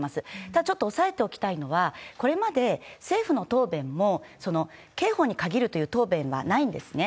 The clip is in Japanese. ただちょっと押さえておきたいのは、これまで政府の答弁も、刑法に限るという答弁はないんですね。